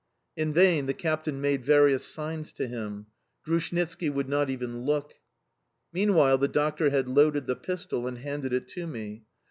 In vain the captain made various signs to him. Grushnitski would not even look. Meanwhile the doctor had loaded the pistol and handed it to me.